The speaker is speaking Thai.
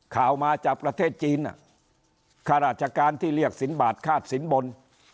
ข่าวมาจากประเทศจีนค่าราชการที่เรียกสินบาทค่าสินบน